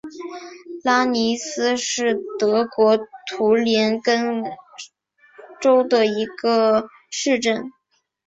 拉尼斯是德国图林根州的一个市镇。